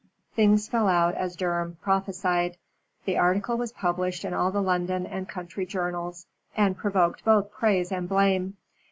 Things fell out as Durham prophesied. The article was published in all the London and country journals, and provoked both praise and blame.